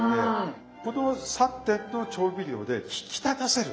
この３点の調味料で引き立たせる。